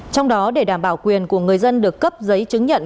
trong đó để đảm bảo quyền của người dân được cấp giấy chứng nhận